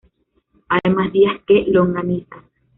Hay más días que longanizas